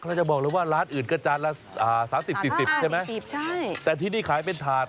เราจะบอกเลยว่าร้านอื่นก็จานละ๓๐๔๐ใช่ไหมแต่ที่นี่ขายเป็นถาด